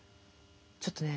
ちょっとね